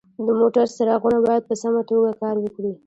د موټر څراغونه باید په سمه توګه کار وکړي.